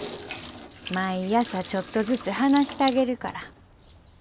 毎朝ちょっとずつ話したげるから。